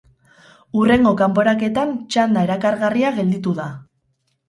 Hurrengo kanporaketan txanda erakargarria gelditu da.